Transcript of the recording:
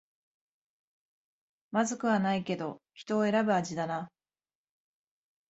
まずくはないけど人を選ぶ味だな